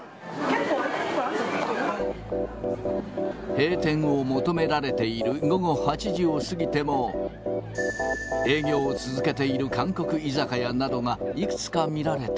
閉店を求められている午後８時を過ぎても、営業を続けている韓国居酒屋などが、いくつか見られた。